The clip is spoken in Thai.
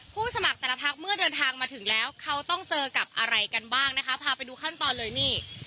สมัครแต่ละพักเมื่อเดินทางมาถึงแล้วเขาต้องเจอกับอะไรกันบ้างนะคะพาไปดูขั้นตอนเลยนี่